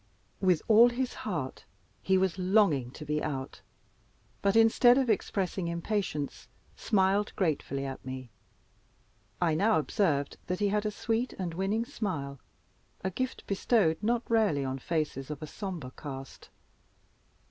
With all his heart he was longing to be out; but, instead of expressing impatience, smiled gratefully at me. I now observed that he had a sweet and winning smile a gift bestowed not rarely on faces of a sombre cast.